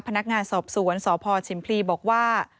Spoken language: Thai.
พนักงานสอบสวนสพชิมพลีบอกว่า